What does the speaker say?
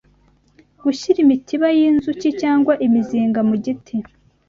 Gushyira imitiba y’inzuki cyangwa imizinga mu giti